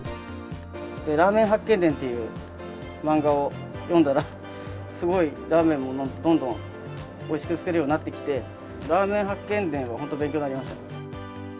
ラーメン発見伝っていう漫画を読んだら、すごいラーメンもどんどんおいしく作れるようになってきて、ラーメン発見伝は本当に勉強になりましたね。